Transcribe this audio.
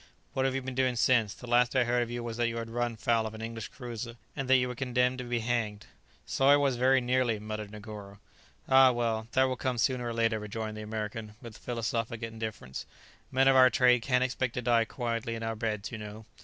What have you been doing since? The last I heard of you was that you had run foul of an English cruiser, and that you were condemned to be hanged." "So I was very nearly," muttered Negoro. "Ah, well, that will come sooner or later," rejoined the American with philosophic indifference; "men of our trade can't expect to die quietly in our beds, you know.